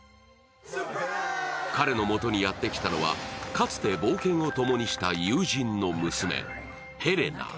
彼のもとにやってきたのはかつて冒険をともにした友人の娘・ヘレナ。